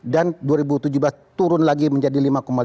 dan dua ribu tujuh belas turun lagi menjadi lima lima